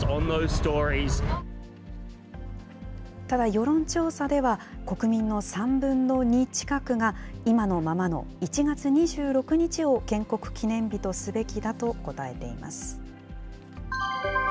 ただ、世論調査では、国民の３分の２近くが、今のままの１月２６日を建国記念日とすべきだと答えています。